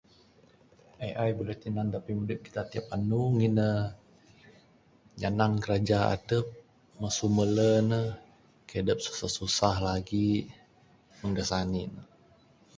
AI buleh tinan da pimudip kita tiap anu ngin ne nyanang kiraja adep masu mele ne, kaik adep susah susah lagi meng da sani ne.